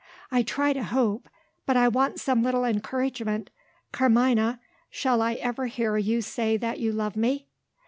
I try to hope; but I want some little encouragement. Carmina! shall I ever hear you say that you love me?"